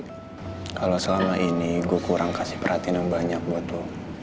kalau selama ini gue kurang kasih perhatian yang banyak buat lo